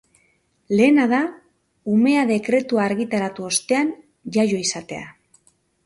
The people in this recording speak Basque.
Lehena da umea dekretua argitaratu ostean jaio izatea.